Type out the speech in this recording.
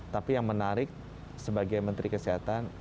tapi yang menarik sebagai menteri kesehatan